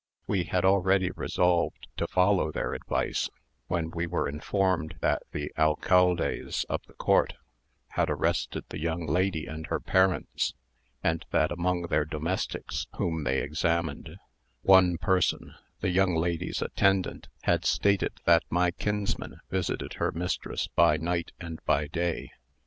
We had already resolved to follow their advice, when we were informed that the alcaldes of the court had arrested the young lady and her parents; and that among their domestics, whom they examined, one person, the young lady's attendant, had stated that my kinsman visited her mistress by night and by day.